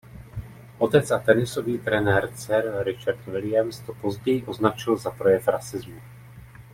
Otec a tenisový trenér dcer Richard Williams to později označil za projev rasismu.